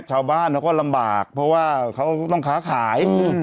ชาวบ้านเขาก็ลำบากเพราะว่าเขาต้องค้าขาย